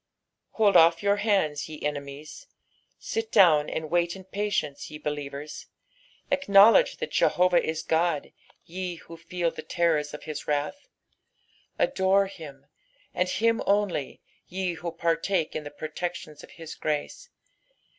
Mold off your hands, ye enemies I Bit down and wait in patience, ye believers I Acknowledge that Jehovah is Ood, ye who feel the terrors of his wrath I Adore him, and him only, ye who partake in the protections of his grace.